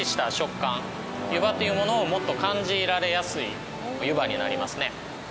湯葉っていうものをもっと感じられやすい湯葉になりますね。